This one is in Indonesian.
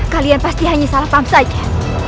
kalian pasti hanya salah paham saja